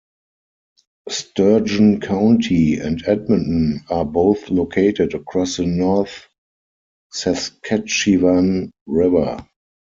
Sturgeon County and Edmonton are both located across the North Saskatchewan River.